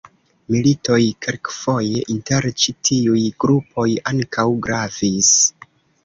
Militoj, kelkfoje inter ĉi tiuj grupoj, ankaŭ gravis.